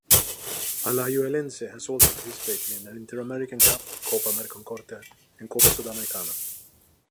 Alajuelense has also participated in the Interamerican Cup, Copa Merconorte and Copa Sudamericana.